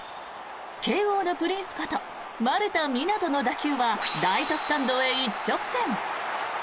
慶応のプリンスこと丸田湊斗の打球はライトスタンドへ一直線。